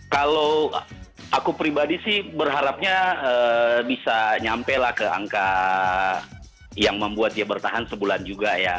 kalau aku pribadi sih berharapnya bisa nyampe lah ke angka yang membuat dia bertahan sebulan juga ya